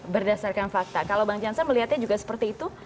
berdasarkan fakta kalau bang jansan melihatnya juga seperti itu